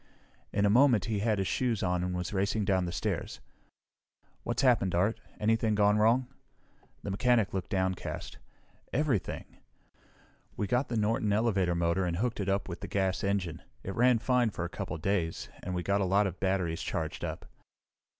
In a moment he had his shoes on and was racing down the stairs. "What's happened, Art? Anything gone wrong?" The mechanic looked downcast. "Everything! We got the Norton elevator motor and hooked it up with the gas engine. It ran fine for a couple of days, and we got a lot of batteries charged up."